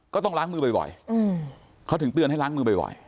ก็ต้องล้างมือบ่อยบ่อยอืมเขาถึงเตือนให้ล้างมือบ่อยบ่อย